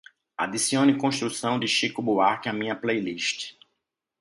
Adicione Construção de Chico Buarque à minha playlist